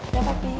udah pak pi